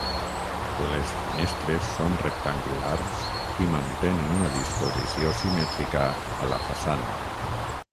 Les finestres són rectangulars i mantenen una disposició simètrica a la façana.